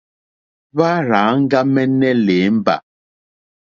Hwá rzà áŋɡàmɛ̀nɛ̀ lěmbà.